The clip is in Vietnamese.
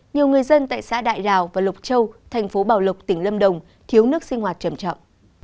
nhiều người dân tại xã đại rào và lục châu thành phố bảo lộc tỉnh lâm đồng thiếu nước sinh hoạt trầm trọng